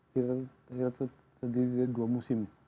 kita sendiri ada dua musim